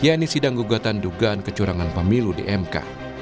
yakni sidang gugatan dugaan kecurangan pemilu di mk